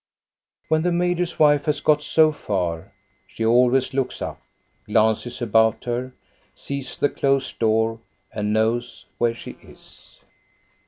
When the major's wife has got so far she always looks up, glances about her, sees the closed door, and knows where she is.